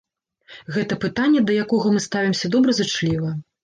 Гэта пытанне, да якога мы ставімся добразычліва.